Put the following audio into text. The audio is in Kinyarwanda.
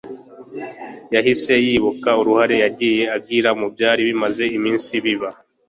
Yahise yibuka uruhare yagiye agira mu byari bimaze iminsi biba